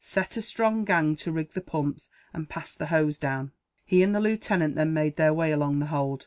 Set a strong gang to rig the pumps, and pass the hose down." He and the lieutenant then made their way along the hold.